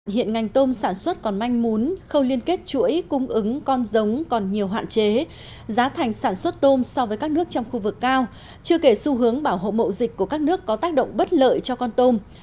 hiện ngành tôm sản xuất còn manh mún khâu liên kết chuỗi cung ứng con giống còn nhiều hạn chế giá thành sản xuất tôm so với các nước trong khu vực cao chưa kể xu hướng bảo hộ mậu dịch của các nước có tác động bất lợi cho con tôm